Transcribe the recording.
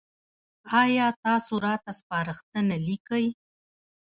ایا تاسو راته سپارښتنه لیکئ؟